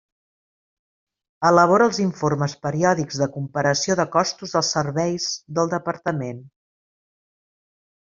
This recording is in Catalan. Elabora els informes periòdics de comparació de costos dels serveis del Departament.